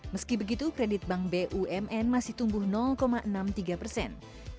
meski begitu kredit bank bumn masih tumbuh enam puluh tiga persen